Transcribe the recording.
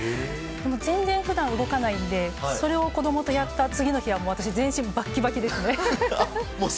全然、普段動かないのでそれを子供とやった次の日は私、全身バッキバキですね。